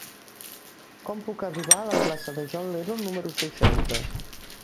Com puc arribar a la plaça de John Lennon número seixanta?